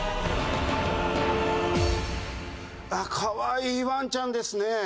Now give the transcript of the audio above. あっ可愛いワンちゃんですね。